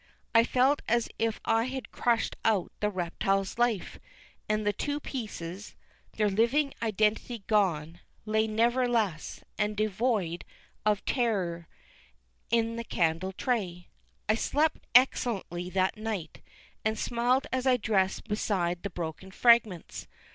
I felt as if I had crushed out the reptile's life; and the two pieces their living identity gone lay nerveless, and devoid of terrors, in the candle tray. I slept excellently that night, and smiled as I dressed beside the broken fragments.